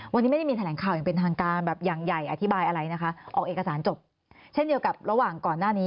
วันนี้ไม่ได้มีแถลงข่าวอย่างเป็นทางการแบบอย่างใหญ่อธิบายอะไรนะคะออกเอกสารจบเช่นเดียวกับระหว่างก่อนหน้านี้